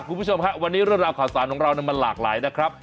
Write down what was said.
คุณผู้ชมฮะวันนี้เรื่องราวข่าวสารของเรามันหลากหลายนะครับ